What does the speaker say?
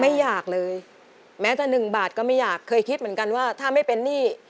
ไม่อยากเลยแม้แต่หนึ่งบาทก็ไม่อยากเคยคิดเหมือนกันว่าถ้าไม่เป็นหนี้